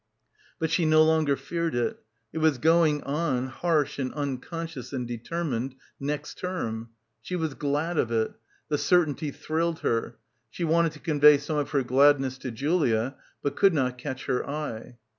But she no longer feared it. It was going on, harsh and unconscious and determined, next term. She was glad of it; the certainty thrilled her; she wanted to convey some of her gladness to Julia, but could not catch her eye.